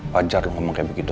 wajar ngomong kayak begitu